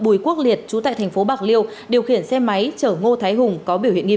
bùi quốc liệt chú tại thành phố bạc liêu điều khiển xe máy chở ngô thái hùng có biểu hiện nghi